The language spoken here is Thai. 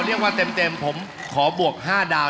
เรียกว่าเต็มผมขอบวก๕ดาว